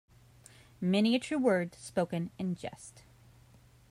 Many a true word spoken in jest.